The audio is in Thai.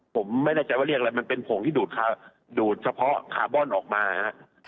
ผมไม่แน่ใจว่าเรียกอะไรมันเป็นผงที่ดูดเฉพาะคาร์บอนออกมานะครับ